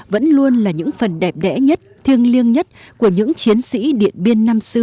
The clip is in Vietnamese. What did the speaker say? vẫn luôn là những phần đẹp đẽ nhất thiêng liêng nhất của những chiến sĩ điện biên năm xưa